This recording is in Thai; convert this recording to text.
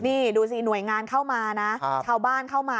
นี่ดูสิหน่วยงานเข้ามานะชาวบ้านเข้ามา